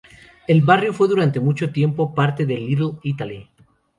El barrio fue durante mucho tiempo, parte de Little Italy.